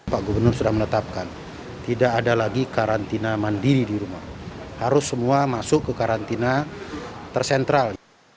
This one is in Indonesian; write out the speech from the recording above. pak gubernur sudah menetapkan tidak ada lagi karantina mandiri di rumah harus semua masuk ke karantina tersentral